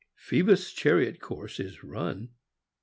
Phoebus' chariot course is run